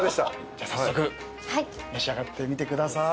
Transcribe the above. じゃあ早速召し上がってみてください。